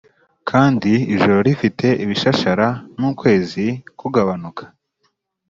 kandi ijoro rifite ibishashara n'ukwezi kugabanuka.